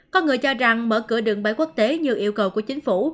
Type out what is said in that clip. có người cho rằng mở cửa đường bay quốc tế như yêu cầu của chính phủ